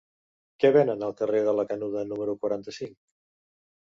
Què venen al carrer de la Canuda número quaranta-cinc?